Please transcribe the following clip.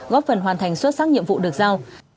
góp phần hoàn thành xuất sắc nhiệm vụ được giao